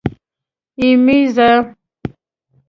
یمېږه.